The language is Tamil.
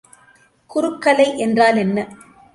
குறுக்கலை என்றால் என்ன?